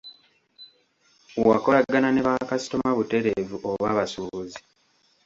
Wakolagana ne bakasitoma butereevu oba basuubuzi?